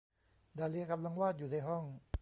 ดาเลียกำลังวาดอยู่ในห้อง